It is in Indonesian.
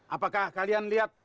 apakah kalian lihat